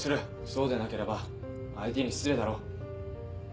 そうでなければ相手に失礼だろ。